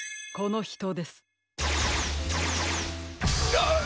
なっ！？